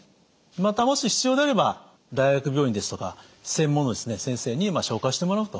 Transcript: またもし必要であれば大学病院ですとか専門の先生に紹介してもらうと。